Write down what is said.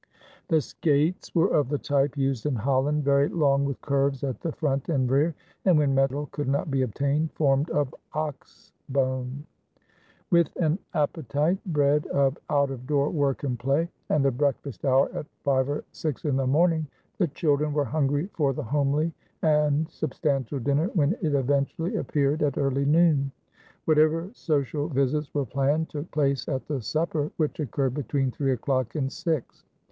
The skates were of the type used in Holland, very long with curves at the front and rear, and, when metal could not be obtained, formed of ox bone. With an appetite bred of out of door work and play, and a breakfast hour at five or six in the morning, the children were hungry for the homely and substantial dinner when it eventually appeared at early noon. Whatever social visits were planned took place at the supper, which occurred between three o'clock and six.